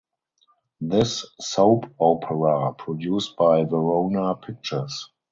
This soap opera produced by Verona Pictures.